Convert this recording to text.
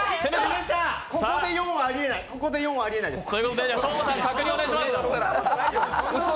ここで４はありえないです。